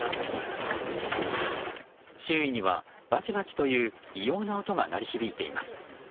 周囲にはバチバチという異様な音が鳴り響いています。